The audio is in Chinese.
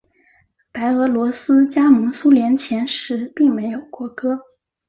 白俄罗斯加盟苏联前时并没有国歌。